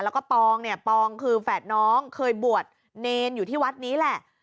แล้วก็ปองเนี่ยปองคือแฝดน้องเคยบวชเนรอยู่ที่วัดนี้แหละ